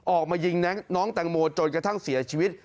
ออกมายิงน้องแตงโมจนกระทั่งเสียชีวิต